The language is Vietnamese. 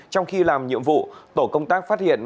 trong khi làm nhiệm vụ tổ công tác phát hiện